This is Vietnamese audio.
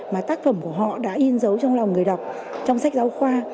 mà tác phẩm của họ đã in dấu trong lòng người đọc trong sách giáo khoa